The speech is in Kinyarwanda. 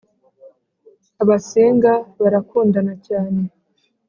abasinga barakundana cyane